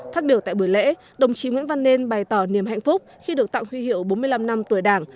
phát biểu tại buổi lễ đồng chí nguyễn văn nên bày tỏ niềm hạnh phúc khi được tặng huy hiệu bốn mươi năm năm tuổi đảng